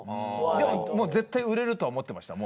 もう絶対売れるとは思ってました？